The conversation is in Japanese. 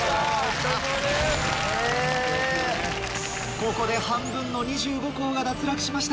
ここで半分の２５校が脱落しました。